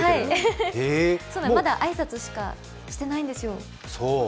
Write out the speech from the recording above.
まだ挨拶しかしてないんですよ。